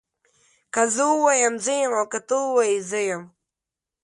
که زه ووایم زه يم او که ته ووايي زه يم